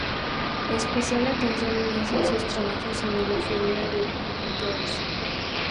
Especial atención merecen sus trabajos sobre la figura de Eugenio d’Ors.